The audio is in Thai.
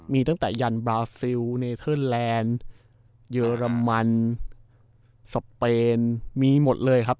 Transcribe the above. มีตั้งแต่ยันบราซิลเนเทอร์แลนด์เยอรมันสเปนมีหมดเลยครับ